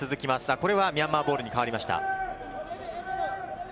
これはミャンマーボールに変わりました。